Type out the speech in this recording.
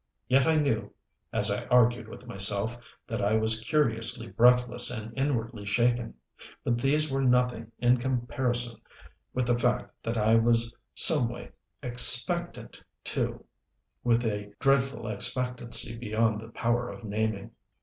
Yet I knew, as I argued with myself, that I was curiously breathless and inwardly shaken. But these were nothing in comparison with the fact that I was some way expectant, too, with a dreadful expectancy beyond the power of naming.